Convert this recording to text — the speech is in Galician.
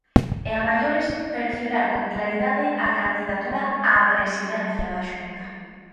E a maiores, perfilar con claridade a candidatura á presidencia da Xunta.